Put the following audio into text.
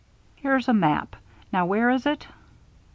"Here's a map. Now, where is it?"